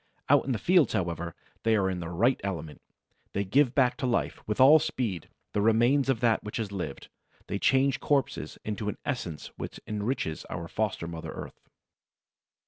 Out in the fields, however, they are in their right element. They give back to life, with all speed, the remains of that which has lived; they change corpses into an essence which enriches our foster mother earth.